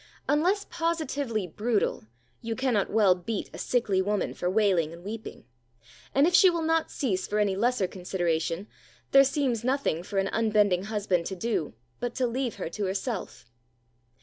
Unless positively brutal, you cannot well beat a sickly woman for wailing and weeping; and if she will not cease for any lesser consideration, there seems nothing for an unbending husband to do but to leave her to herself.